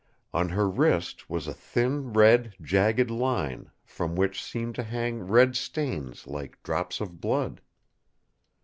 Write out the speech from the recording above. On her wrist was a thin red jagged line, from which seemed to hang red stains like drops of blood!